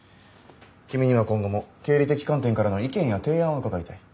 君には今後も経理的観点からの意見や提案を伺いたい。